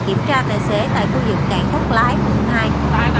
kiểm tra tài xế tại khu vực cảng thất lái quận hai